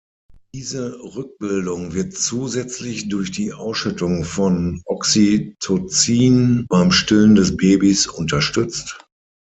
Diese „Rückbildung“ wird zusätzlich durch die Ausschüttung von Oxytocin beim Stillen des Babys unterstützt.